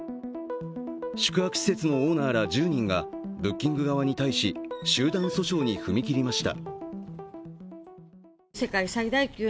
宿泊施設のオーナーら、１０人がブッキング側に対し集団訴訟に踏み切りました。